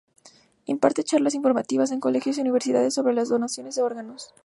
Imparte charlas informativas en colegios y universidades sobre la donación de órganos.